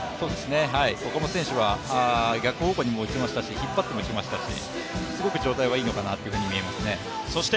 岡本選手は逆方向にも打ちましたし引っ張っても打ちましたしすごく状態はいいのかなとみえますね。